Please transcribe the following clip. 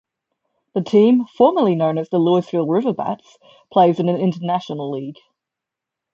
The team, formerly known as the Louisville RiverBats, plays in the International League.